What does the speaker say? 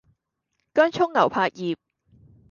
薑蔥牛柏葉